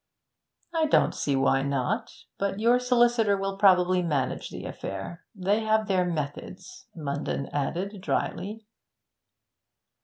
'I don't see why not. But your solicitor will probably manage the affair. They have their methods,' Munden added drily.